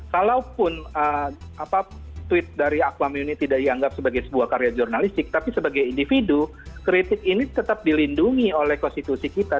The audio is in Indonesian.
kalaupun tweet dari akuam ini tidak dianggap sebagai sebuah karya jurnalistik tapi sebagai individu kritik ini tetap dilindungi oleh konstitusi kita